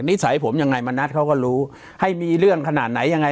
นิสัยผมยังไงมณัฐเขาก็รู้ให้มีเรื่องขนาดไหนยังไง